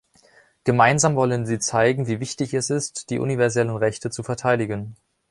Gemeinsam wollen sie zeigen, wie wichtig es ist, die universellen Rechte zu verteidigen.